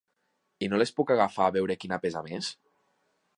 I no les puc agafar a veure quina pesa més?